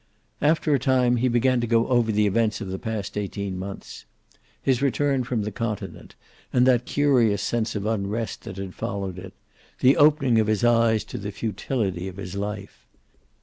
After a time he began to go over the events of the past eighteen months. His return from the continent, and that curious sense of unrest that had followed it, the opening of his eyes to the futility of his life.